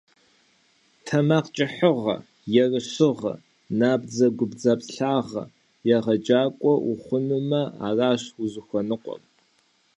ТэмакъкӀыхьыгъэ, ерыщыгъэ, набдзэгубдзаплъагъэ – егъэджакӏуэ ухъунумэ, аращ узыхуэныкъуэр.